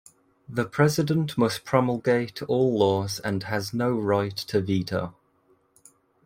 The president must promulgate all laws and has no right to veto.